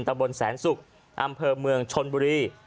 ตะบนแสนศุกร์อำเภอเมืองชนบุรี